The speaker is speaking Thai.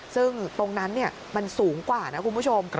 ซึ่งตรงนั้นมันสูงกว่านะคุณผู้ชม